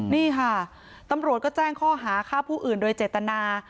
นี่ค่ะตำรวจก็แจ้งข้อหาฆ่าผู้อื่นโดยเจตนา